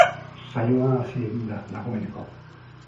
Saioa hasi egin da dagoeneko.